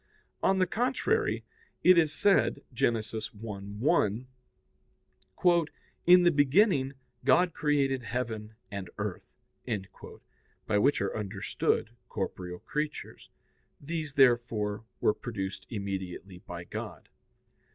On the contrary, It is said (Gen. 1:1): "In the beginning God created heaven and earth"; by which are understood corporeal creatures. These, therefore, were produced immediately by God.